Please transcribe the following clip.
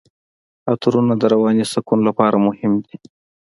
عطرونه د رواني سکون لپاره مهم دي.